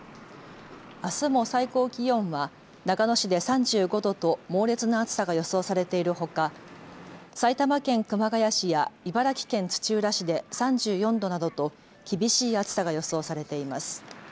あすも最高気温は長野市で３５度と猛烈な暑さが予想されているほか埼玉県熊谷市や茨城県土浦市で３４度などと厳しい暑さが予想されています。